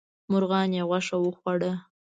مرغانو یې غوښه وخوړه.